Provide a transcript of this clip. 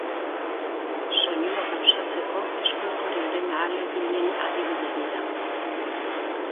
Soinua gauzatzeko eskultorearen ahaleginen adibide dira.